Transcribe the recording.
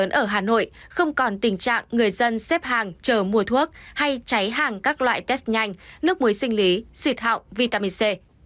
nước muối sinh lý xịt hạo vitamin c